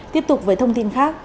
tiếp tục với thông tin khác